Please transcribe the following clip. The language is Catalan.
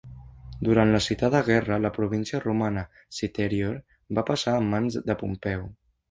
Durant la citada guerra, la província romana Citerior va passar a mans de Pompeu.